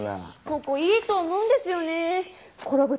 ここいいと思うんですよねー。